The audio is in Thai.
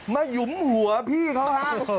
หยุมหัวพี่เขาฮะ